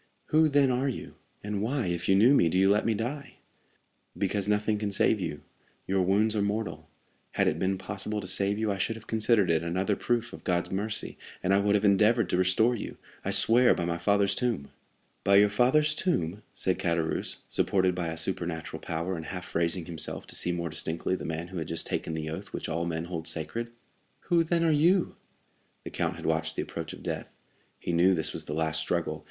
"Who, then, are you? and why, if you knew me, do you let me die?" "Because nothing can save you; your wounds are mortal. Had it been possible to save you, I should have considered it another proof of God's mercy, and I would again have endeavored to restore you, I swear by my father's tomb." "By your father's tomb!" said Caderousse, supported by a supernatural power, and half raising himself to see more distinctly the man who had just taken the oath which all men hold sacred; "who, then, are you?" The count had watched the approach of death. He knew this was the last struggle.